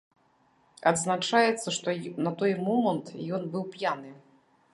Адзначаецца, што на той момант ён быў п'яны.